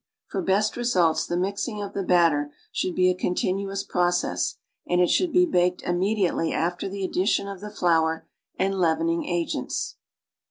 For l)esl results the mixing of the batter should he a con tinuous process, and it should be baked immediately after the addition of the flour and leavening agents.